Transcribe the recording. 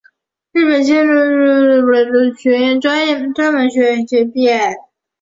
日本千叶医学专门学校毕业。